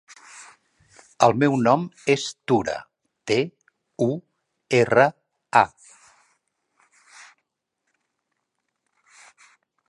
El meu nom és Tura: te, u, erra, a.